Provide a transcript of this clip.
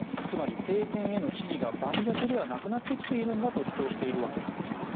つまり、政権への支持が盤石ではなくなってきていると主張しているんです。